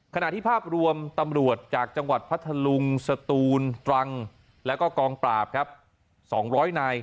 ภาพที่ภาพรวมตำรวจจากจังหวัดพัทธลุงสตูนตรังแล้วก็กองปราบครับ๒๐๐นาย